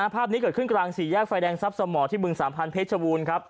ภาพนี้เกิดขึ้นกลางสี่แยกไฟแดงทรัพย์สมอที่บึงสามพันธ์เพชรบูรณ์ครับ